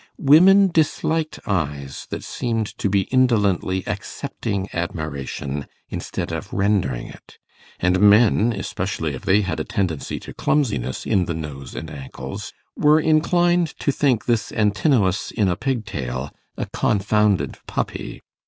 Women disliked eyes that seemed to be indolently accepting admiration instead of rendering it; and men, especially if they had a tendency to clumsiness in the nose and ankles, were inclined to think this Antinous in a pigtail a 'confounded puppy'.